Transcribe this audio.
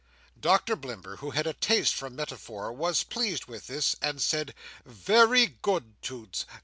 Doctor Blimber, who had a taste for metaphor, was pleased with this, and said, "Very good, Toots!